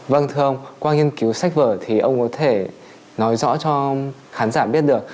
vâng thưa ông qua nghiên cứu sách vở thì ông có thể nói rõ cho khán giả biết được